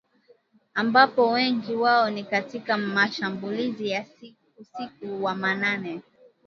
ambapo wengi wao ni katika mashambulizi ya usiku wa manane